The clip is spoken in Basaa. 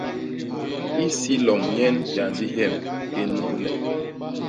Isi lom nyen hyandi hyem hi nnuñgne.